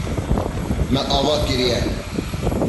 Me ava kiriye.